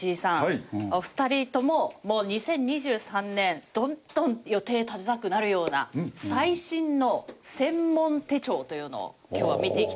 お二人とも２０２３年どんどん予定立てたくなるような最新の専門手帳というのを今日は見ていきたいなと。